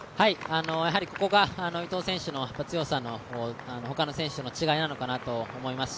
ここが伊藤選手の強さの他の選手との違いなのかなと思いますし